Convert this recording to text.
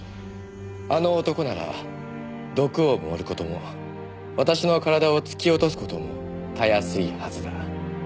「あの男なら毒を盛ることも私の体を突き落とすことも容易いはずだ」